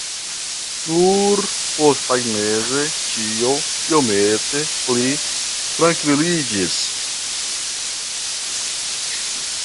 Nur posttagmeze ĉio iomete pli trankviliĝis.